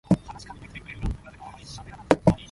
Corning in North America.